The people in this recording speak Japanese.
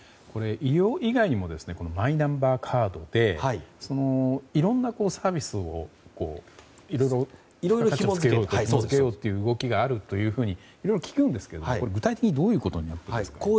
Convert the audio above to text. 医療以外にもマイナンバーカードでいろんなサービスをいろいろ設けようという動きがあるというふうにいろいろ聞くんですが具体的にどういうことですか。